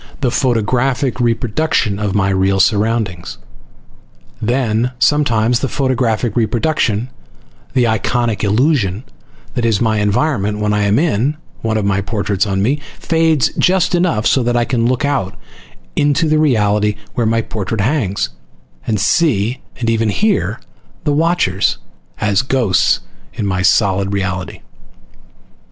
the photographic reproduction of my real surroundings. Then, sometimes, the photographic reproduction, the iconic illusion, that is my environment when I am in one of the portraits of me, fades just enough so that I can look "out" into the reality where my portrait hangs, and see, and even hear the watchers, as ghosts in my solid "reality."